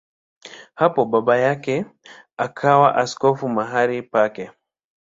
Hapo baba yake akawa askofu mahali pake.